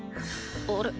あれ？